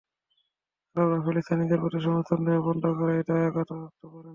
আরবরা ফিলিস্তিনিদের প্রতি সমর্থন দেওয়া বন্ধ করার কথা ভাবতেও পারে না।